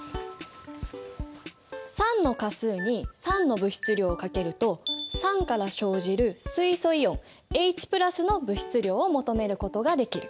酸の価数に酸の物質量を掛けると酸から生じる水素イオンＨの物質量を求めることができる。